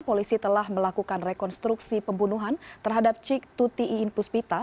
polisi telah melakukan rekonstruksi pembunuhan terhadap cik tuti iin puspita